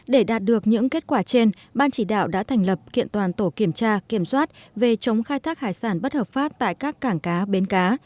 để đạt được những kết quả trên ban chỉ đạo đã thành lập kiện toàn tổ kiểm tra kiểm soát về chống khai thác hải sản bất hợp pháp tại các cảng cá bến cá